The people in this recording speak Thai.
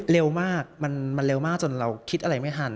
เร็วมากมันเร็วมากจนเราคิดอะไรไม่ทัน